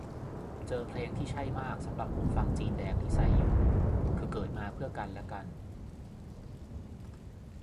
เจอเพลงที่ใช่มากสำหรับหูฟังจีนแดงที่ใส่อยู่ คือเกิดมาเพื่อกันและกัน